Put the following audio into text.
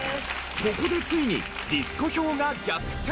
ここでついにディスコ票が逆転。